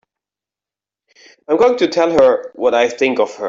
I'm going to tell her what I think of her!